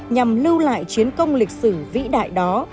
nhằm lưu lại chiến công lịch sử vĩ đại đó